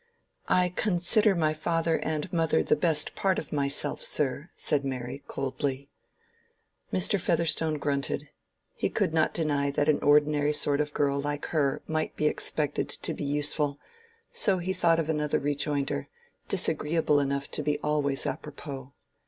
"I consider my father and mother the best part of myself, sir," said Mary, coldly. Mr. Featherstone grunted: he could not deny that an ordinary sort of girl like her might be expected to be useful, so he thought of another rejoinder, disagreeable enough to be always apropos.